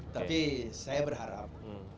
tapi saya berharap